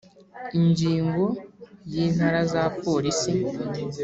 ingingo yi intara za polisi